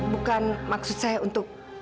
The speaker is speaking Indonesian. bukan maksud saya untuk